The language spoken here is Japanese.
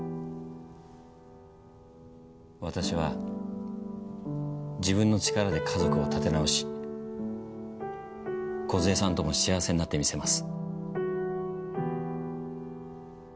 私は自分の力で家族を立て直し梢さんとも幸せになってみせます。